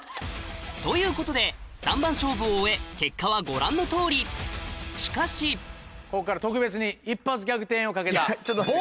ということで３番勝負を終え結果はご覧のとおりしかしここから特別に。